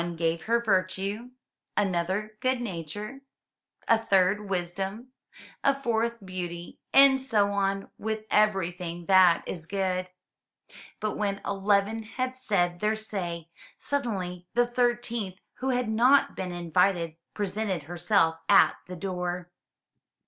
One gave her virtue, another good nature, a third wisdom, a fourth beauty, and so on with everything that is good. But when eleven had said their say, suddenly the thirteenth who had not been invited presented herself at the door.